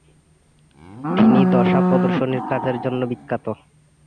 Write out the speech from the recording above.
তিনি দশা প্রদর্শনীর কাজের জন্য বিখ্যাত।